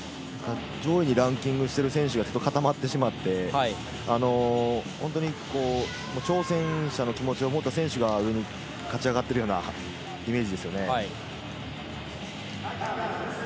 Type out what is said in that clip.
上位にランキングしている選手が固まってしまって、挑戦者の気持ちを持った選手が勝ち上がっているようなイメージですよね。